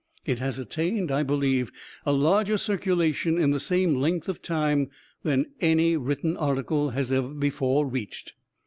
It has attained, I believe, a larger circulation in the same length of time than any written article has ever before reached.